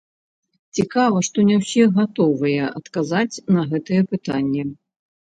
Цікава, што не ўсе гатовыя адказаць на гэтыя пытанні.